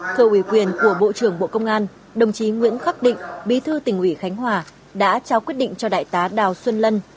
thưa ủy quyền của bộ trưởng bộ công an đồng chí nguyễn khắc định bí thư tỉnh ủy khánh hòa đã trao quyết định cho đại tá đào xuân lân